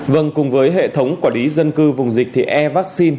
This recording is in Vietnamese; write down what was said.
vâng cùng với hệ thống quản lý dân cư vùng dịch thì e vaccine